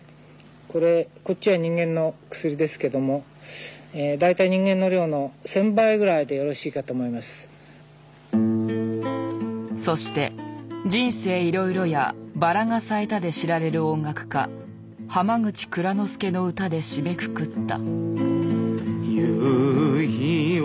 これこっちは人間の薬ですけどもそして「人生いろいろ」や「バラが咲いた」で知られる音楽家浜口庫之助の歌で締めくくった。